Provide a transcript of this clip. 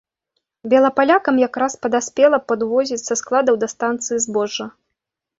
Белапалякам якраз падаспела падвозіць са складаў да станцыі збожжа.